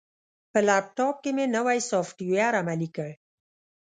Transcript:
په لپټاپ کې مې نوی سافټویر عملي کړ.